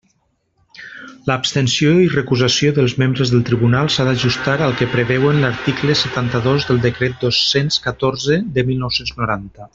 L'abstenció i recusació dels membres del Tribunal s'ha d'ajustar al que preveuen l'article setanta-dos del Decret dos-cents catorze de mil nou-cents noranta.